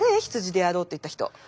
羊でやろうって言った人。